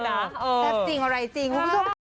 รักที่สงทุกที่